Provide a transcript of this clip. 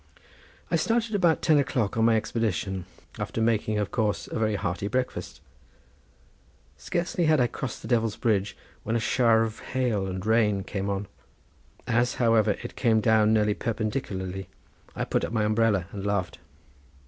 I started about ten o'clock on my expedition, after making, of course, a very hearty breakfast. Scarcely had I crossed the Devil's Bridge when a shower of hail and rain came on. As, however, it came down nearly perpendicularly, I put up my umbrella and laughed.